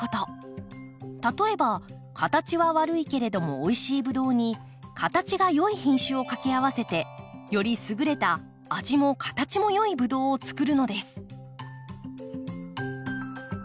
例えば形は悪いけれどもおいしいブドウに形が良い品種を掛け合わせてより優れた味も形も良いブドウをつくるのです。